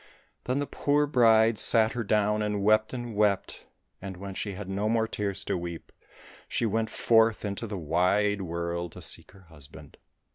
Then the poor bride sat her down and wept and wept, and when she had no more tears to weep, she went forth into the wide world to seek her husband.